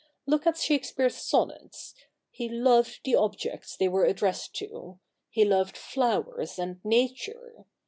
Look at Shakespeare's Sonnets. He loved the objects they were addressed to ; he loved flowers and Nature.